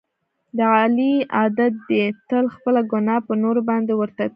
د علي عادت دی تل خپله ګناه په نورو باندې ور تپي.